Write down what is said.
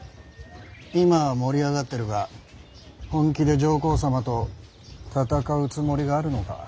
今は盛り上がってるが本気で上皇様と戦うつもりがあるのか。